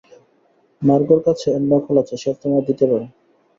মার্গর কাছে এর নকল আছে, সে তোমায় দিতে পারে।